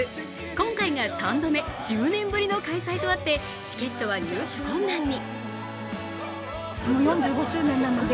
今回が３度目、１０年ぶりの開催とあってチケットは入手困難に。